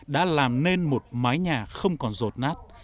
đã làm nên một mái nhà không còn rột nát